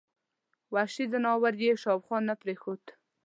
وحشي ځناور یې شاوخوا نه پرېښود.